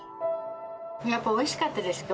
やっぱりおいしかったですよ。